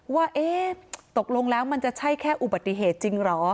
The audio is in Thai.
ว่าเอ๊ะตกลงแล้วมันจะใช่แค่อุบัติเหตุจริงเหรอ